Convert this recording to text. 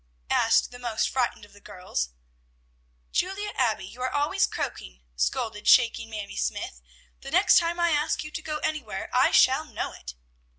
asked the most frightened of the girls. "Julia Abbey, you are always croaking," scolded shaking Mamie Smythe. "The next time I ask you to go anywhere, I shall know it!"